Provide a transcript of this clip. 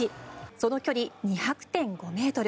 その距離２００．５ｍ。